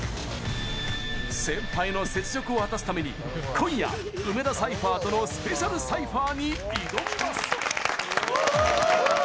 先輩の雪辱を果たすために今夜、梅田サイファーとのスペシャルサイファーに挑みます！